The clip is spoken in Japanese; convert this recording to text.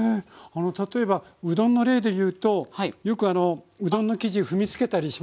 例えばうどんの例でいうとよくうどんの生地踏みつけたりしますよね。